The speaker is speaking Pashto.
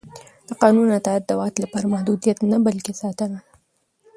د قانون اطاعت د واک لپاره محدودیت نه بلکې ساتنه ده